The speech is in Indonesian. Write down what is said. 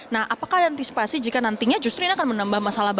nah apakah antisipasi jika nantinya justrinya akan menambah masalah berikutnya